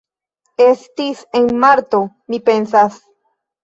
Estis en marto mi pensas